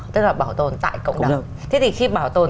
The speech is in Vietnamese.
tức là bảo tồn tại cộng đồng thế thì khi bảo tồn